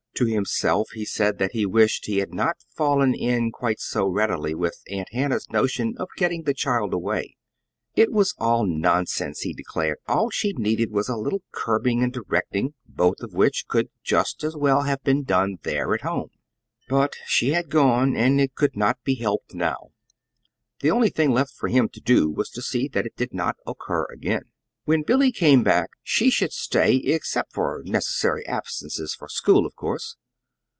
To himself he said that he wished he had not fallen in quite so readily with Aunt Hannah's notion of getting the child away. It was all nonsense, he declared. All she needed was a little curbing and directing, both of which could just as well have been done there at home. But she had gone, and it could not be helped now. The only thing left for him to do was to see that it did not occur again. When Billy came back she should stay, except for necessary absences for school, of course.